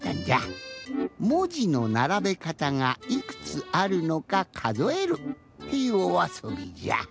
もじのならべかたがいくつあるのかかぞえるっていうおあそびじゃ。